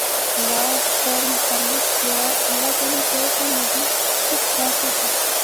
لاج، شرم، تعلق، پیار، اللہ جانے کہہ سا مگی کی تھیا سا ضرور